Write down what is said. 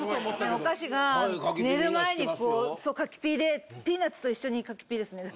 あのお菓子が私が寝る前にこう柿ピーでピーナツと一緒に柿ピーですね。